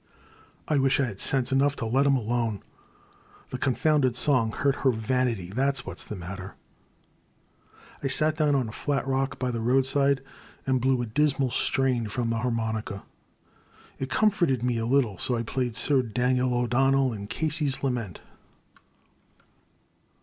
I wish I had sense enough to let 'em The Crime. 283 alone ! The confounded song hurt her vanity — that *s what *s the matter !" I sat down on a flat rock by the roadside and blew a dismal strain from my harmonica. It com forted me a little, so I played Sir Daniel 0*Don nel " and Casey's I^ament.